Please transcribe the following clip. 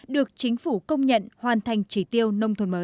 được chính phủ công nhận hoàn thành trí tiêu nông thuận mới